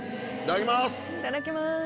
いただきます。